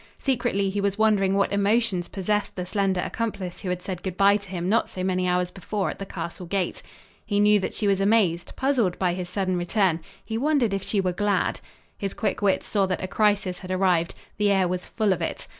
Secretly he was wondering what emotions possessed the slender accomplice who had said good bye to him not so many hours before at the castle gate. He knew that she was amazed, puzzled by his sudden return; he wondered if she were glad. His quick wits saw that a crisis had arrived. The air was full of it.